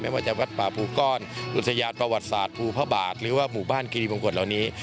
ว่าจะวัดป่าภูก้อนอุทยานประวัติศาสตร์ภูพระบาทหรือว่าหมู่บ้านคิริบงกฎเหล่านี้